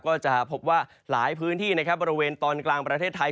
ก็จะพบว่าหลายพื้นที่นะครับบริเวณตอนกลางประเทศไทย